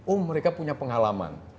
oh mereka punya pengalaman